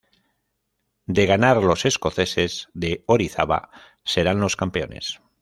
De ganar los escoceses de Orizaba serán los campeones.